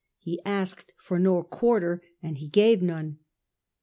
He asked for no quarter, and he gave none.